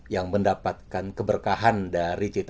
yang mendapatkan keberkahan dari cita yang fashion week itu